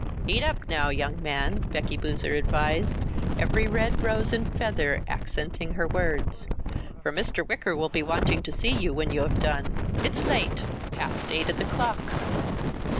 "Eat up now, young man," Becky Boozer advised, every red rose and feather accenting her words, "for Mr. Wicker will be wanting to see you when you have done. It's late. Past eight of the clock."